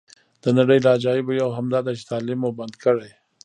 د نړۍ له عجایبو یوه هم داده چې تعلیم مو بند کړی.